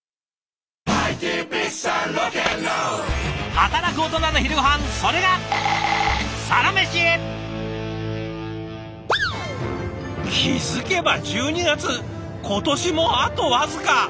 働くオトナの昼ごはんそれが気付けば１２月今年もあと僅か！